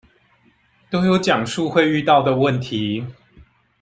都有講述會遇到的問題